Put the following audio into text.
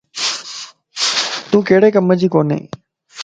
تون ڪھڙي ڪم جي ڪوني.